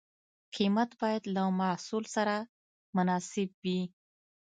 قیمت باید له محصول سره مناسب وي.